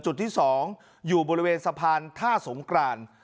จุดที่๒อยู่บริเวณสะพานท่าสงกราน